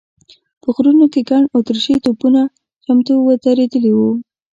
په غرونو کې ګڼ اتریشي توپونه چمتو ودرېدلي و.